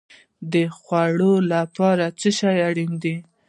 د خوړو لپاره څه شی اړین دی؟